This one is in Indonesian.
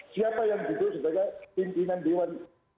siapa yang duduk sebagai pimpinan dewan